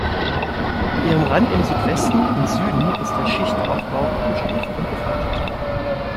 An ihrem Rand im Südwesten und Süden ist der Schichtaufbau abgestuft und gefaltet.